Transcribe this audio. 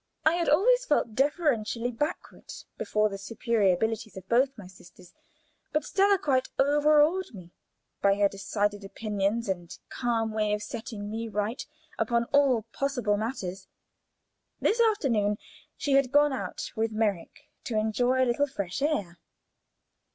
I had always felt deferentially backward before the superior abilities of both my sisters, but Stella quite over awed me by her decided opinions and calm way of setting me right upon all possible matters. This afternoon she had gone out with Merrick to enjoy a little fresh air.